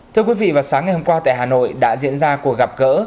thưa quý vị vào sáng ngày hôm qua tại hà nội đã diễn ra cuộc gặp gỡ